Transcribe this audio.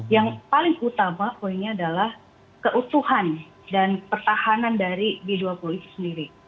yang paling utama poinnya adalah keutuhan dan pertahanan dari g dua puluh itu sendiri